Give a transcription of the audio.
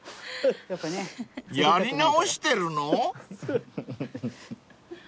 ［やり直してるの？］